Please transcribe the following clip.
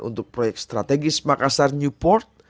untuk proyek strategis makassar newport